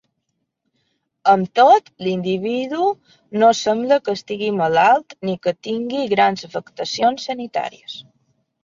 Amb tot, l'individu no sembla que estigui malalt ni que tingui grans afectacions sanitàries.